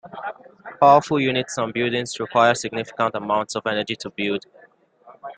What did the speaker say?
Powerful units and buildings require significant amounts of energy to build.